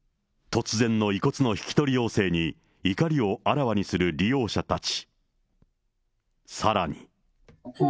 突然の遺骨の引き取り要請に怒りをあらわにする利用者たち。